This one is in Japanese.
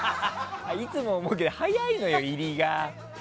いつも思うけど早いのよ、入りが。